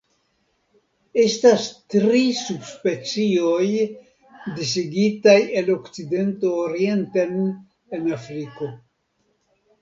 Estas tri subspecioj disigitaj el okcidento orienten en Afriko.